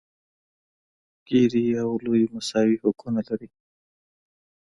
ګېري او لويي مساوي حقونه لري.